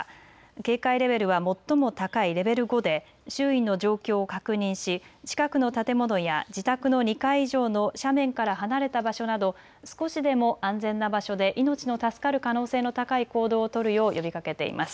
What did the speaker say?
警戒レベルは最も高いレベル５で周囲の状況を確認し近くの建物や自宅の２階以上の斜面から離れた場所など少しでも安全な場所で命の助かる可能性の高い行動を取るよう呼びかけています。